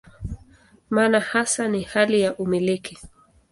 Maana hasa ni hali ya "umiliki".